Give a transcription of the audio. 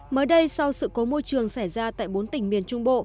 mới đây sau sự cố môi trường xảy ra tại bốn tỉnh miền trung bộ